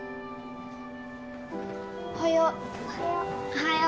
おはよう。